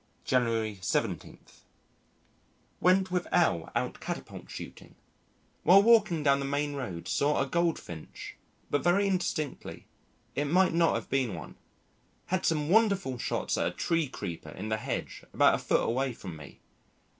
January 17. Went with L out catapult shooting. While walking down the main road saw a Goldfinch, but very indistinctly it might not have been one. Had some wonderful shots at a tree creeper in the hedge about a foot away from me.